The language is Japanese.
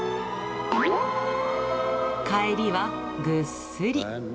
帰りはぐっすり。